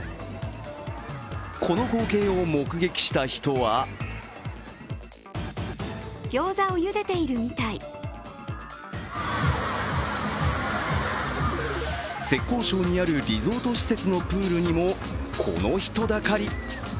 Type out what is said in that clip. この光景を目撃した人は浙江省にあるリゾート施設のプールにも、この人だかり。